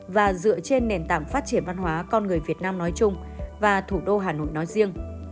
và dựa trên nền tảng phát triển văn hóa con người việt nam nói chung và thủ đô hà nội nói riêng